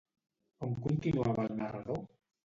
On continuava el narrador?